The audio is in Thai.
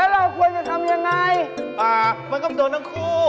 แล้วเราควรจะทำอย่างไรมันก็โดนทั้งคู่